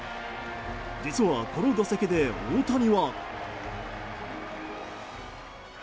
実は、この打席で大谷は。